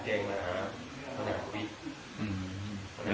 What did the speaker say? ใช้เวลามา๔โมงน่ะประมาณ